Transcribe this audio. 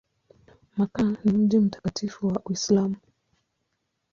Makka ni mji mtakatifu wa Uislamu.